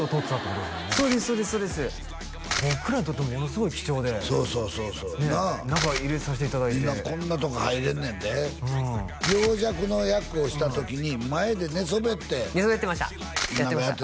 僕らにとってもものすごい貴重でそうそうそうそうなあ中入れさせていただいて今こんなとこ入れんねんで病弱の役をした時に前で寝そべって寝そべってました